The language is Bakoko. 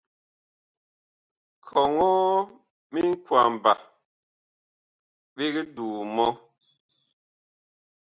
Kɔŋɔɔ minkwamba biig duu mɔ.